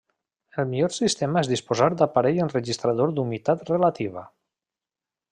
El millor sistema és disposar d’aparell enregistrador d’humitat relativa.